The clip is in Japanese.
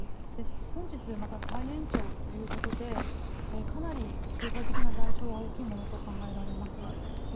本日、また再延長ということでかなり経済的な代償は大きいと考えます。